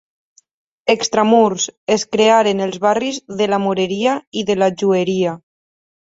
Extramurs, es crearen els barris de la moreria i de la jueria.